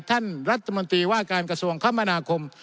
ท่านรัฐมนตรีว่าการกระทรวงคมนาคม